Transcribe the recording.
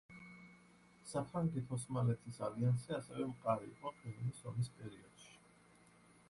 საფრანგეთ-ოსმალეთის ალიანსი ასევე მყარი იყო ყირიმის ომის პერიოდში.